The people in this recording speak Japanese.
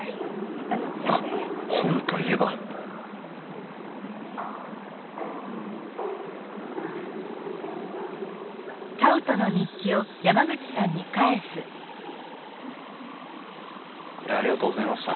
あっ本といえばこれありがとうございました。